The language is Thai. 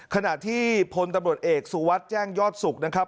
ขณะที่พตเอกสูวัสแจ้งยอดสุขนะครับ